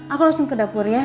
aku langsung ke dapur ya